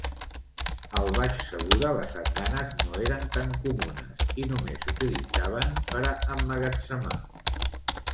Al Baix Segura, les andanes no eren tan comunes, i només s'utilitzaven per a emmagatzemar.